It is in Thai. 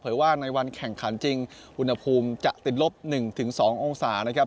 ว่าในวันแข่งขันจริงอุณหภูมิจะติดลบ๑๒องศานะครับ